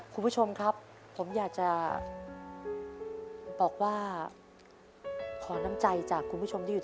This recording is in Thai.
คุณผู้ชมครับผมอยากจะบอกว่าขอน้ำใจจากคุณผู้ชมที่อยู่